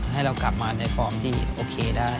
ให้เรากลับมาในฟอร์มที่โอเคได้